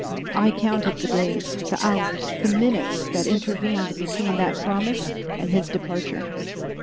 I counted the days, the hours, the minutes that intervened between that promise and his departure.